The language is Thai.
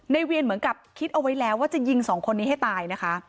เวียนเหมือนกับคิดเอาไว้แล้วว่าจะยิงสองคนนี้ให้ตายนะคะ